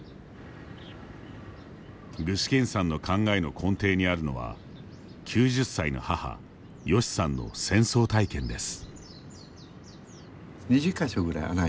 具志堅さんの考えの根底にあるのは９０歳の母、ヨシさんの戦争体験です。